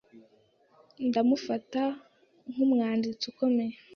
Ndamufata nk'umwanditsi ukomeye.